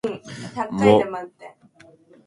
も